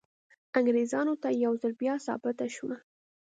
انګریزانو ته یو ځل بیا ثابته شوه.